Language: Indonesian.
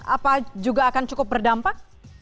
apa juga akan cukup berdampak